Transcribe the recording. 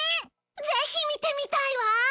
ぜひ見てみたいわ！